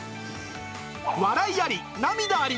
笑いあり、涙あり。